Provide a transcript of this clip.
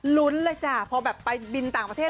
ลุ้นเลยจ้ะพอแบบไปบินต่างประเทศ